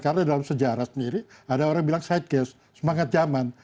karena dalam sejarah sendiri ada orang bilang side cast semangat zaman